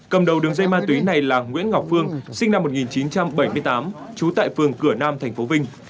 cầm đầu đường dây ma túy này là nguyễn ngọc phương sinh năm một nghìn chín trăm bảy mươi tám trú tại phường cửa nam tp vinh